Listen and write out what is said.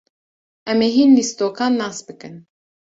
Em ê hin lîstokan nas bikin.